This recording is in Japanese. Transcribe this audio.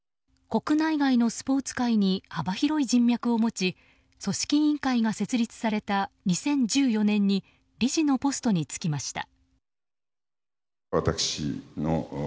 国内外のスポーツ界に幅広い人脈を持ち組織委員会が設立された２０１４年に理事のポストに就きました。